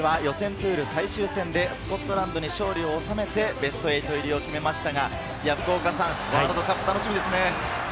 プール最終戦でスコットランドに勝利を収めてベスト８入りを決めましたが、ワールドカップ楽しみですね。